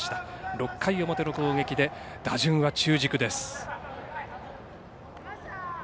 ６回の表の攻撃で打順は中軸です。